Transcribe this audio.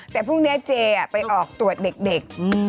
แต่พรุ่งนี้เจไปออกตรวจเด็ก